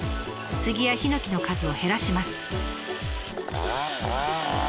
スギやヒノキの数を減らします。